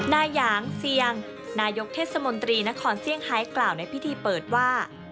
นายหยางเซียงนายกเทศมนตรีนครเซี่ยงไฮกล่าวในพิธีเปิดว่า